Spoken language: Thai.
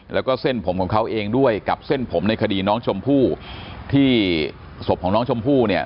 แล้วก็เส้นผมของเขาเองด้วยกับเส้นผมในคดีน้องชมพู่ที่ศพของน้องชมพู่เนี่ย